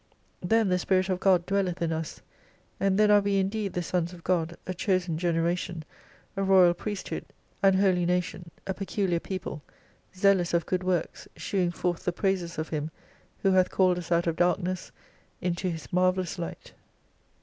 Then the Spirit of God dwelleth in us, and then are we indeed the Sons of God, a chosen generation, a royal priesthood, an Holy nation, a peculiar people, zealous of good works, shewing forth the praises of Him, who hath called us out of Darkness, into His marvellous Light.